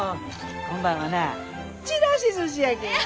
今晩はなちらしずしやけえ。